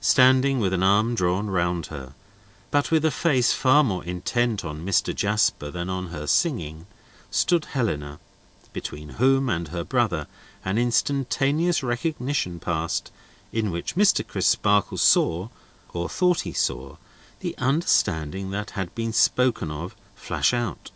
Standing with an arm drawn round her, but with a face far more intent on Mr. Jasper than on her singing, stood Helena, between whom and her brother an instantaneous recognition passed, in which Mr. Crisparkle saw, or thought he saw, the understanding that had been spoken of, flash out.